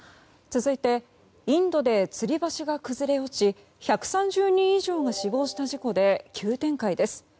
続いてインドでつり橋が崩れ落ち１３０人以上が死亡した事故で急展開です。